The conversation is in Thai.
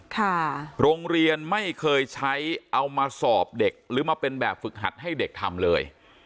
โรงเรียนไม่เคยใช้เอามาสอบเด็กหรือมาเป็นแบบฝึกหัดให้เด็กทำเลย